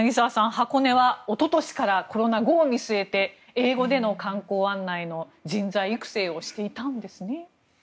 箱根はおととしからコロナ後を見据えて英語での観光案内の人材育成をしていたんですね。